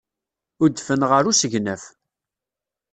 Udfen ɣer usegnaf.